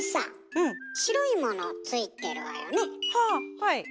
はい。